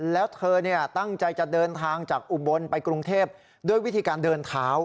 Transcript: แล้วเธอตั้งใจจะเดินทางจากอุบลไปกรุงเทพด้วยวิธีการเดินเท้า